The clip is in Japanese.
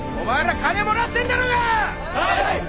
金もらってんだろうが！